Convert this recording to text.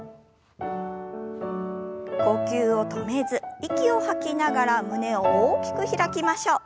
呼吸を止めず息を吐きながら胸を大きく開きましょう。